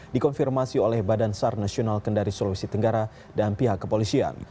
dikonfirmasi oleh badan sar nasional kendari sulawesi tenggara dan pihak kepolisian